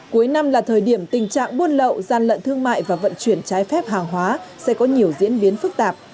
cuối năm là thời điểm tình trạng buôn lậu gian lận thương mại và vận chuyển trái phép hàng hóa sẽ có nhiều diễn biến phức tạp